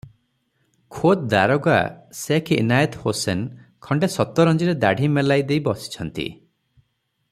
ଖୋଦ୍ ଦାରୋଗା ସେଖ୍ ଇନାଏତ୍ ହୋସେନ ଖଣ୍ତେ ସତରଞ୍ଜିରେ ଦାଢ଼ି ମେଲାଇ ଦେଇ ବସିଛନ୍ତି ।